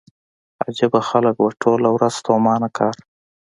عجيبه خلک وو ټوله ورځ ستومانه کار.